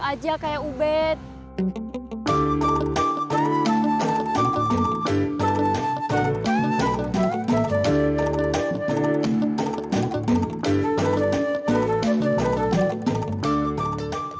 lebih bagus mana